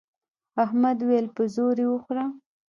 احمد وويل: په زور یې وخوره.